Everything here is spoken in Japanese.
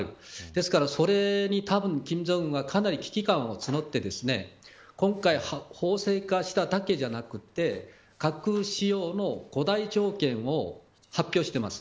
ですから、それにたぶん金正恩は危機感を募らせて今回、法制化しただけではなくて核使用の五大条件を発表しています。